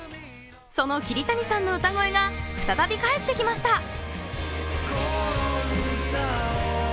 その桐谷さんの歌声が再び帰ってきました。